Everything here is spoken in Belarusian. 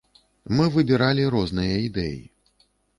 Мы выбіралі розныя ідэі.